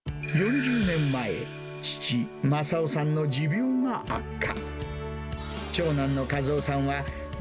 ４０年前、父、政雄さんの持病が悪化。